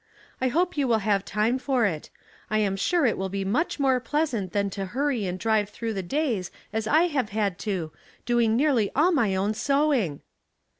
" I hope you will have time for it. I am sure it will be much more pleasant than to hurry and drive through the days as I have had to, doing nearly all my own sewing."